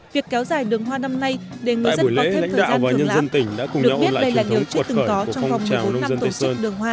việc kéo dài đường hoa năm nay để người dân có thêm thời gian thưởng lãm được biết đây là điều trước từng có trong phong trào nông dân tổ chức đường hoa